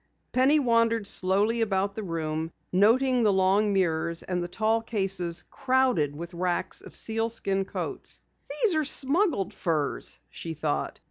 Penny wandered slowly about the room, noting the long mirrors and the tall cases crowded with racks of sealskin coats. "These are smuggled furs," she thought.